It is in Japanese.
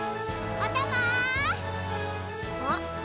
おたま！